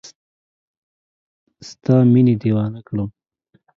ستا مینې دیوانه کړم